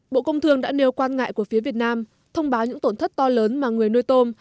bộ công thương đã nêu quan ngại của phía việt nam thông báo những tổn thất to lớn mà người nuôi tôm